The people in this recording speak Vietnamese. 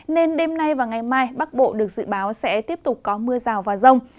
nên đêm nay và ngày mai bắc bộ được dự báo sẽ tiếp tục có mưa rào và rông